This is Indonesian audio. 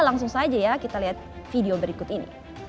langsung saja ya kita lihat video berikut ini